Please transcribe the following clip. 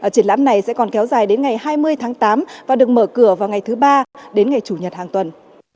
triển lãm này sẽ còn kéo dài đến ngày hai mươi tháng tám và được mở cửa vào ngày thứ ba đến ngày chủ nhật hàng tuần